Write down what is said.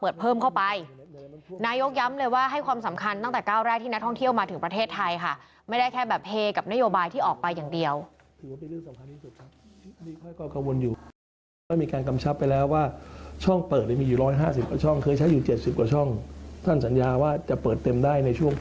ท่านสังเงียวว่าจะเปิดเต็มได้ในช่วง